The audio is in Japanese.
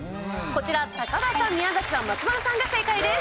こちら、高田さん、宮崎さん松丸さんが正解です。